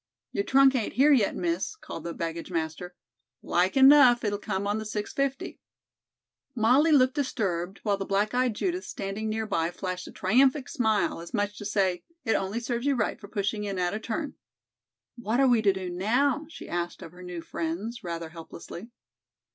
"Your trunk ain't here, yet, Miss," called the baggage master. "Like enough it'll come on the 6.50." Molly looked disturbed, while the black eyed Judith standing nearby flashed a triumphant smile, as much as to say: "It only serves you right for pushing in out of turn." "What are we to do now?" she asked of her new friends, rather helplessly.